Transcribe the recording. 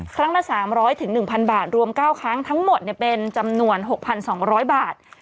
ครั้งละ๓๐๐๑๐๐บาทรวม๙ครั้งทั้งหมดเป็นจำนวน๖๒๐๐บาท